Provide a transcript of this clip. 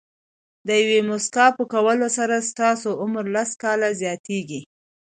د یوې موسکا په کولو سره ستاسو عمر لس کاله زیاتېږي.